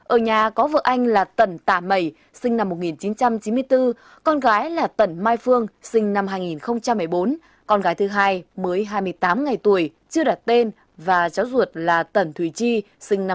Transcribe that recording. ở nhà có vợ anh là tẩn tả mẩy sinh năm một nghìn chín trăm chín mươi bốn con gái là tẩn mai phương sinh năm hai nghìn một mươi bốn con gái thứ hai mới hai mươi tám ngày tuổi chưa đặt tên và cháu ruột là tẩn thùy chi sinh năm hai nghìn một mươi